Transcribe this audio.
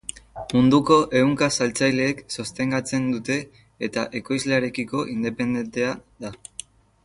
Munduko ehunka saltzailek sostengatzen dute eta ekoizlearekiko independentea da.